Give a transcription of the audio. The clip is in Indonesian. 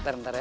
ntar ntar ya